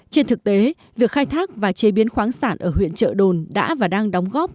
trên thực tế việc khai thác và chế biến khoáng sản ở huyện trợ đồn đã và đang đóng góp